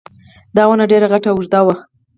دا ونه ډېره غټه او اوږده وه